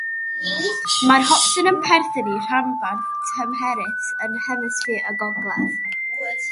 Mae'r hopysen yn perthyn i ranbarthau tymherus yn Hemisffer y Gogledd.